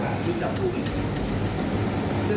เลยจะฝุ่ง